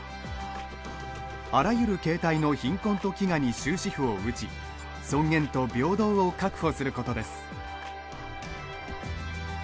あらゆる形態の貧困と飢餓に終止符を打ち尊厳と平等を確保することです。